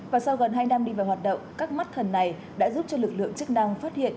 và sau gần hai năm đi vào hoạt động các mắt thần này đã giúp cho lực lượng chức năng phát hiện